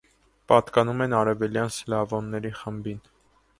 Պատկանում են արևելյան սլավոնների խմբին։